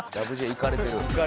「いかれてる」